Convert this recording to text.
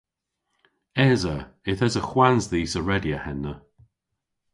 Esa. Yth esa hwans dhis a redya henna.